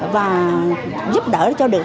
và giúp đỡ cho được